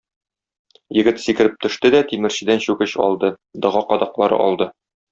Егет сикереп төште дә тимерчедән чүкеч алды, дага кадаклары алды.